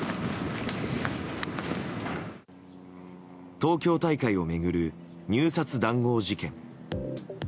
東京大会を巡る入札談合事件。